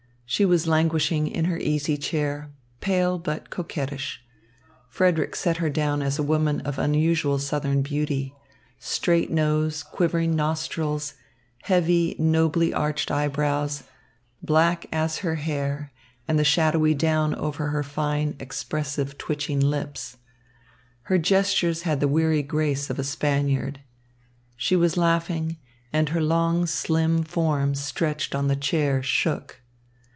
She was languishing in her easy chair, pale but coquettish. Frederick set her down as a woman of unusual southern beauty straight nose, quivering nostrils, heavy, nobly arched eyebrows, black as her hair and the shadowy down over her fine, expressive, twitching lips. Her gestures had the weary grace of a Spaniard. She was laughing, and her long, slim form stretched on the chair shook.